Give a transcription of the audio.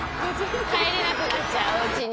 帰れなくなっちゃうおうちに。